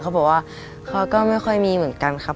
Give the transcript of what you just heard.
เขาบอกว่าเขาก็ไม่ค่อยมีเหมือนกันครับ